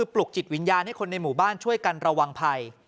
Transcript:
ปลุกจิตวิญญาณให้คนในหมู่บ้านช่วยกันระวังภัย